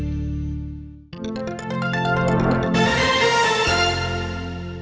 โอ้โหไทยแลนด์